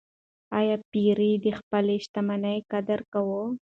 ایا پییر د خپلې شتمنۍ قدر کاوه؟